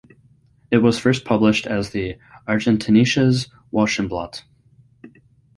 It was first published as the "Argentinisches Wochenblatt".